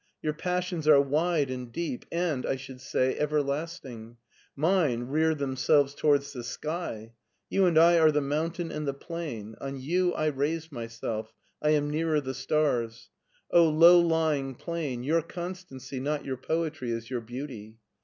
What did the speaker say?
Your passions are wide and deep and, I should say, everlasting. Mine rear them selves towards the sky. You and I are the mountain and the plain ; on you I raise myself, I am nearer the stars. O low lying plain, your constancy, not your poetry, is your beauty."